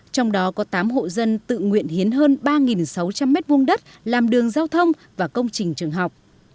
trong đó có tám hộ dân tự nguyện hiến hơn ba sáu trăm linh m hai đất làm đường giao thông và công trình trường học